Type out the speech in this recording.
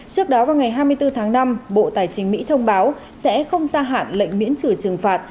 trước đó vào ngày hai mươi bốn tháng năm bộ tài chính mỹ thông báo sẽ không gia hạn lệnh miễn trừ trừng phạt